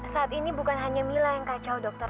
saat ini bukan hanya mila yang kacau dokter